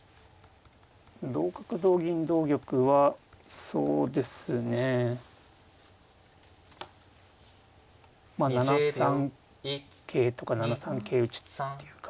同角同銀同玉はそうですねまあ７三桂とか７三桂打っていう感じで。